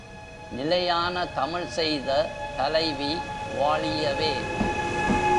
நிலையான தமிழ்செய்த தலைவிவா ழியவே!